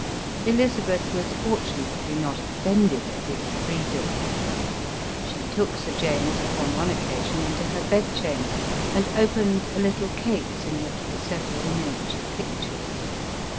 Elizabeth was fortunately not offended at this freedom. She took Sir James, upon one occasion, into her bed chamber and opened a little case in which were several miniature pictures.